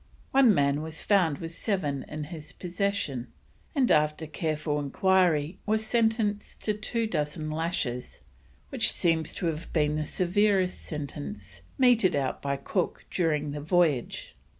One man was found with seven in his possession, and after careful enquiry was sentenced to two dozen lashes, which seems to have been the severest sentence meted out by Cook during the voyage.